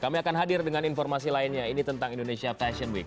kami akan hadir dengan informasi lainnya ini tentang indonesia fashion week